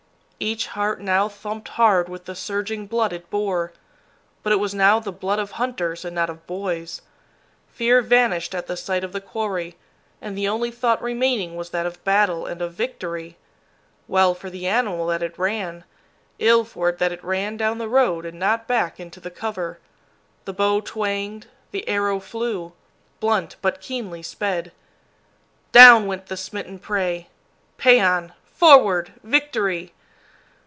Each heart now thumped hard with the surging blood it bore; but it was now the blood of hunters and not of boys. Fear vanished at the sight of the quarry, and the only thought remaining was that of battle and of victory. Well for the animal that it ran ill for it that it ran down the road and not back into the cover. The bow twanged, the arrow flew blunt, but keenly sped. Down went the smitten prey! Pæan! Forward! Victory!